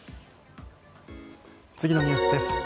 次のニュースです。